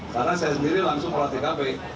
karena saya sendiri langsung melatih tkp